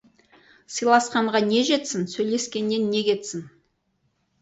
Сыйласқанға не жетсін, сөйлескеннен не кетсін!